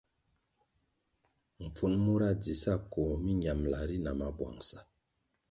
Mpfun mura dzi sa koh miñambʼla ri na mabwangʼsa.